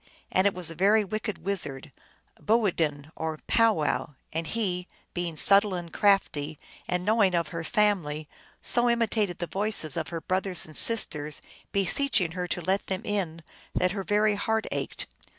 And it was a very wicked wizard, a boo din, or pow wow ; and he, being subtle and crafty, and knowing of her family, so imitated the voices of her brothers and sisters, beseeching her to let them in, that her very heart ached.